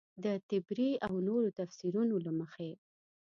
د طبري او نورو تفیسیرونو له مخې.